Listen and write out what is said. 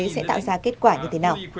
sẽ tạo ra kết quả như thế nào